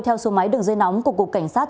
theo số máy đường dây nóng của cục cảnh sát